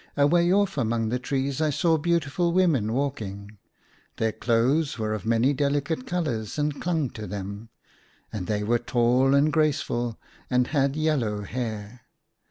Away off among the trees I saw beautiful women walking. Their clothes were of many delicate colours and clung to them, and they were tall and graceful and had yellow hair.